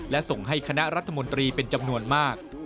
และส่งให้คณะรัฐมนตรีเป็นจำนวนมาก